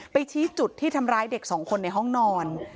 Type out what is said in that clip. ชี้จุดที่ทำร้ายเด็กสองคนในห้องนอน